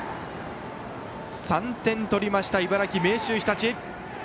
３点取りました、茨城、明秀日立。